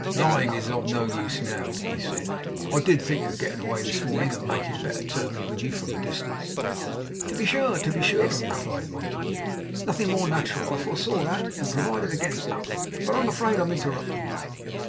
'Lying is of no use now,' he said. 'I DID think of getting away this morning, and making better terms with you from a distance.' 'To be sure! to be sure!' replied Montague. 'Nothing more natural. I foresaw that, and provided against it. But I am afraid I am interrupting you.